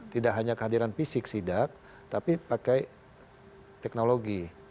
tidak hanya kehadiran fisik sidak tapi pakai teknologi